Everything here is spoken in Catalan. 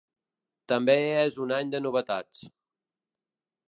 També és any de novetats.